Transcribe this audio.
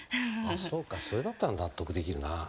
そうかそれだったら納得できるなぁ。